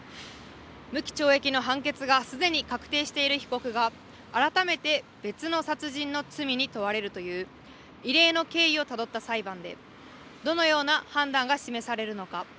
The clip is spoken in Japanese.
無期懲役の判決がすでに確定している被告が、改めて別の殺人の罪に問われるという、異例の経緯をたどった裁判で、どのような判断が示されるのか。